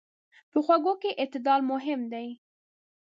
په خوږو کې اعتدال مهم دی.